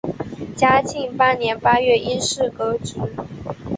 嘉庆八年八月因事革职。